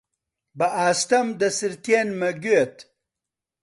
بە ئاستەم دەسرتێنمە گوێت: